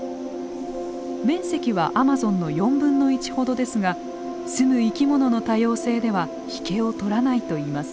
面積はアマゾンの４分の１ほどですが住む生き物の多様性では引けを取らないといいます。